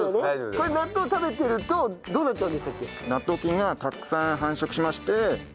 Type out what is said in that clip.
これ納豆食べてるとどうなっちゃうんでしたっけ？